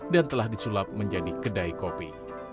telah disulap menjadi kedai kopi